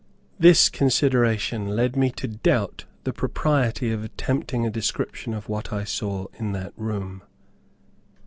This consideration led me to doubt the propriety of attempting a description of what I saw in that room.